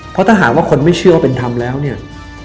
เพราะถ้าหากว่าคนไม่เชื่อว่าเป็นธรรมแล้วเนี่ย